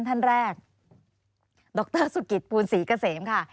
ท่านแรกดรสุกิตภูลศรีเกษมค่ะ